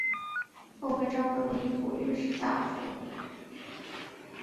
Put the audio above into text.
后被召回为左御史大夫。